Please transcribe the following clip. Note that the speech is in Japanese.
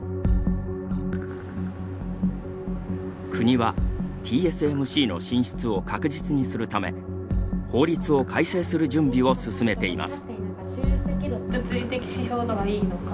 国はＴＳＭＣの進出を確実にするため法律を改正する準備を進めています。